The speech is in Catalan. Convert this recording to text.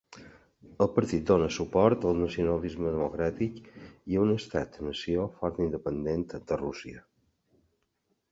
El partit dona suport al nacionalisme democràtic i a un estat nació fort independent de Rússia.